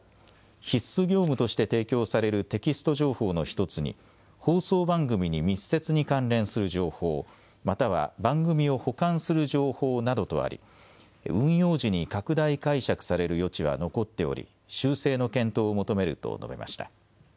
必須業務として提供されるテキスト情報の１つに放送番組に密接に関連する情報、または番組を補完する情報などとあり運用時に拡大解釈される余地は残っており修正の検討を求めると述べました。